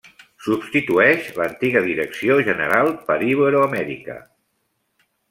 Substitueix l'antiga Direcció general per Iberoamèrica.